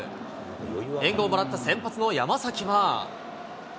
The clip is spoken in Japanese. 援護をもらった先発の山崎は。